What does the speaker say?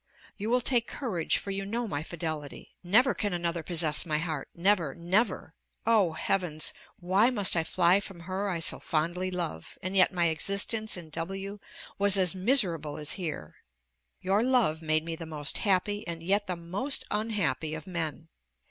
You will take courage, for you know my fidelity. Never can another possess my heart never, never! Oh, heavens! Why must I fly from her I so fondly love? and yet my existence in W was as miserable as here. Your love made me the most happy and yet the most unhappy of men.